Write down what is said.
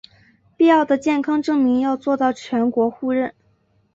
必要的健康证明要做到全国互认